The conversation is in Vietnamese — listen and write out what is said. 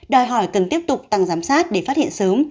đòi hỏi cần tiếp tục tăng giám sát để phát hiện sớm